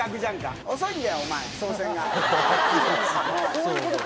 そういうことか。